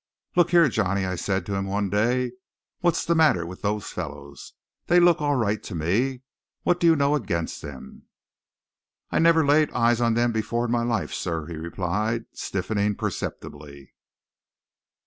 "Look here, Johnny," I said to him one day, "what's the matter with those fellows? They look all right to me. What do you know against them?" "I never laid eyes on them before in my life, sir," he replied, stiffening perceptibly.